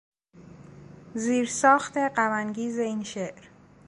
زیرساخت غمانگیز این شعر